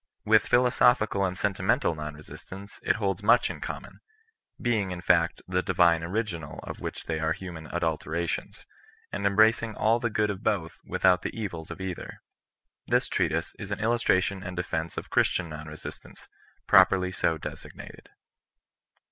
With philosophical and senti mental non resistance it holds much in common ; being, in fact, the divine original of which they are human adulterations, and embracing all the good of both without the evUs of either. This treatise is an illustration and defence of Christian non resistance, properly so desig nated.